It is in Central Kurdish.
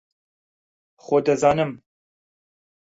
خۆ دەزانم